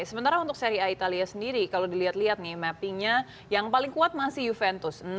sementara untuk seri a italia sendiri kalau dilihat lihat nih mappingnya yang paling kuat masih juventus